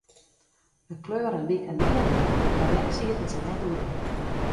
De kleuren liken nearne nei, mar dêr sieten se net oer yn.